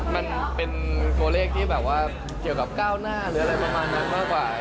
มันเป็นตัวเลขที่แบบว่าเกี่ยวกับก้าวหน้าหรืออะไรประมาณนั้นมากกว่า